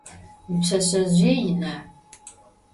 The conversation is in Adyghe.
Vuipşseşsezjıê yina?